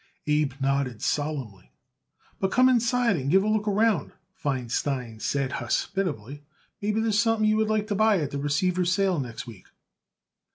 Abe nodded solemnly. "But come inside and give a look around," Feinstein said hospitably. "Maybe there's something you would like to buy at the receiver's sale next week."